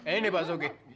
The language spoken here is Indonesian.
ini pak sogi